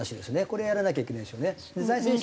これやらなきゃいけないでしょうね。